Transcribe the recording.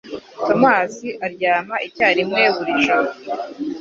Tomasi aryama icyarimwe buri joro